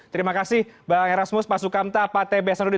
terima kasih bang herasmus pak sukamta pak t b hasanuddi